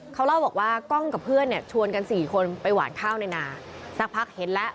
เขาเล่าว่าก้องกับเพื่อนเนี่ยชวนกัน๔คนไปหวานข้าวในนา